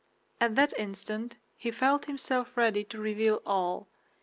At that instant he felt himself ready to reveal all.